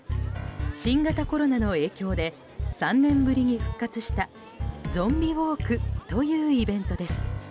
新型コロナの影響で３年ぶりに復活したゾンビウォークというイベントです。